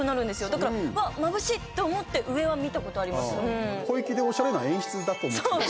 だから「うわ、まぶしい！」って思って上は見たことあります。